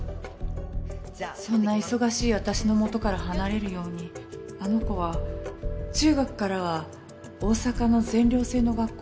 そんな忙しい私の元から離れるようにあの子は中学からは大阪の全寮制の学校に入学したんです。